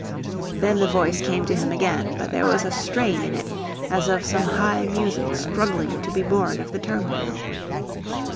Then the voice came to him again, but there was a strain in it as of some high music struggling to be born of the turmoil.